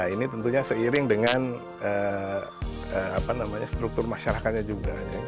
ini tentunya seiring dengan struktur masyarakatnya juga